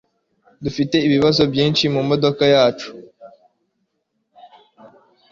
Dufite ibibazo byinshi mumodoka yacu.